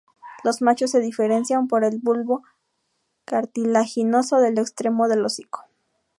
Los machos se diferencian por el bulbo cartilaginoso del extremo del hocico.